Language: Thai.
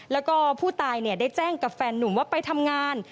แล้วก็ผู้ตายได้แจ้งกับแฟนนุ่มว่าไปทำงาน